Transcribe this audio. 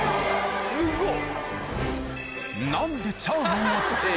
すごっ。